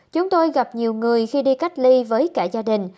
chúng tôi gặp nhiều người khi đi cách ly với cả gia đình